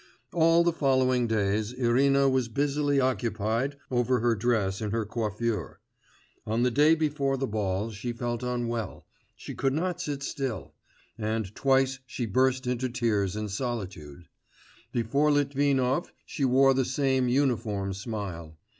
All the following days Irina was busily occupied over her dress and her coiffure; on the day before the ball she felt unwell, she could not sit still, and twice she burst into tears in solitude; before Litvinov she wore the same uniform smile....